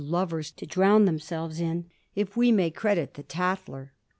87 lovers to drown themselves in, if we may credit the * Tatler.'